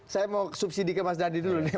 saya mau subsidi ke mas dhani dulu nih